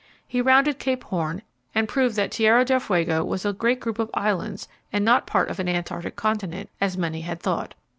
He rounded Cape Horn and proved that Tierra del Fuego was a great group of islands and not part of an Antarctic continent, as many had thought.